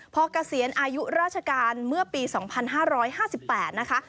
พอเกษียณอายุราชการเมื่อปี๒๕๕๘นะคะ